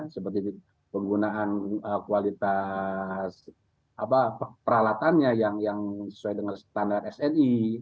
seperti penggunaan kualitas peralatannya yang sesuai dengan standar sni